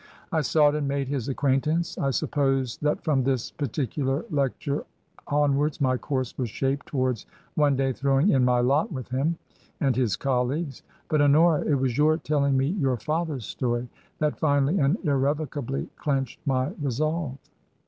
I sought and made his acquaintance. I suppose that from this particular lecture onwards my course was shaped towards one day throwing in my lot with him and his colleagues. But, Honora, it was your telling me your father's story that finally and irrevocably clenched my resolve."